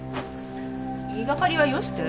言いがかりはよして。